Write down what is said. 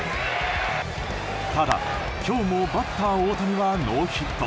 ただ、今日もバッター大谷はノーヒット。